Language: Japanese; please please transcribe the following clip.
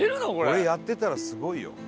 これやってたらすごいよ。